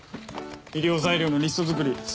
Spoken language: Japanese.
医療材料のリスト作り